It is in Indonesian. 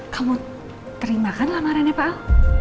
kamu terima kan lamarannya pak al